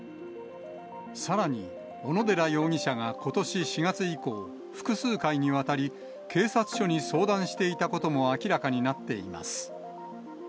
さらに小野寺容疑者がことし４月以降、複数回にわたり、警察署に相談していたことも明らかになっています。